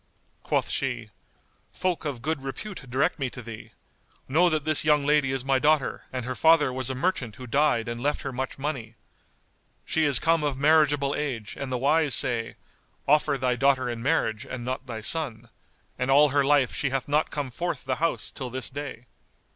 Quoth she, "Folk of good repute direct me to thee. Know that this young lady is my daughter and her father was a merchant who died and left her much money. She is come of marriageable age and the wise say, 'Offer thy daughter in marriage and not thy son'; and all her life she hath not come forth the house till this day.